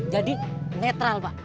jadi netral pak